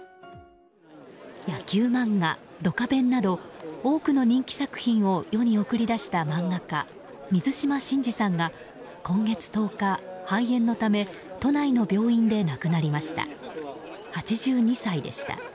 野球漫画「ドカベン」など多くの人気作品を世に送り出した漫画家、水島新司さんが今月１０日、肺炎のため都内の病院で亡くなりました。